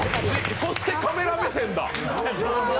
そしてカメラ目線だ！